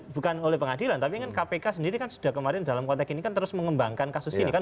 bukan oleh pengadilan tapi kan kpk sendiri kan sudah kemarin dalam konteks ini kan terus mengembangkan kasus ini kan